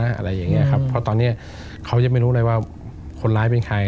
อะไรอย่างเงี้ยครับเพราะตอนเนี้ยเขายังไม่รู้เลยว่าคนร้ายเป็นใคร